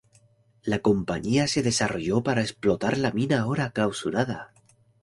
La compañía se desarrolló para explotar la mina ahora clausurada.